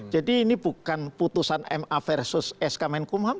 jadi ini bukan putusan ma versus sk menkumham